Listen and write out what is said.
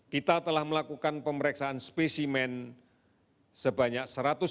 kita telah melakukan pemeriksaan spesimen sebanyak satu ratus lima puluh delapan ratus delapan puluh tujuh